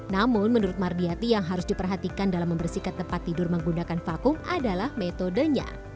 namun menurut mardiati yang harus diperhatikan dalam membersihkan tempat tidur menggunakan vakum adalah metodenya